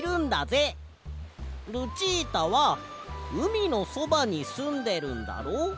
ルチータはうみのそばにすんでるんだろ？